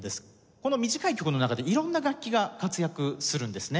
この短い曲の中で色んな楽器が活躍するんですね。